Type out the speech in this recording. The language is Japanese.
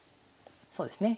そうですね。